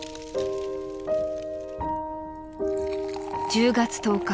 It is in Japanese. ［「１０月１０日